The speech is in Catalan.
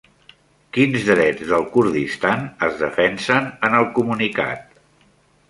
Quins drets del Kurdistan es defensen en el comunicat?